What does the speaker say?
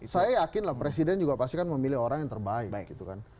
saya yakin lah presiden juga pasti memilih orang yang terbaik